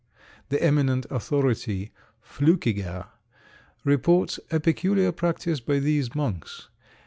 The eminent authority, Flückiger, reports a peculiar practice by these monks.